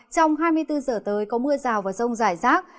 trong hai mươi bốn h tới có mưa rào và rông dài rác